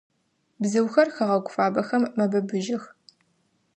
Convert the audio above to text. Бзыухэр хэгъэгу фабэхэм мэбыбыжьых.